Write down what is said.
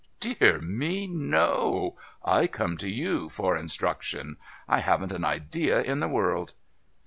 "Dear me, no! I come to you for instruction. I haven't an idea in the world."